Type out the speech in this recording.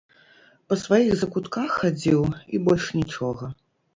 Па сваіх закутках хадзіў, і больш нічога.